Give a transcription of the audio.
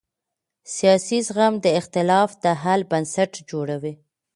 سیاسي زغم د اختلاف د حل بنسټ جوړوي